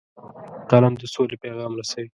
قلم د سولې پیغام رسوي